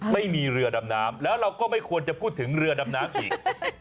ไม่มีเรือดำน้ำแล้วเราก็ไม่ควรจะพูดถึงเรือดำน้ำอีก